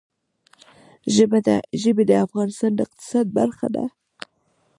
ژبې د افغانستان د اقتصاد برخه ده.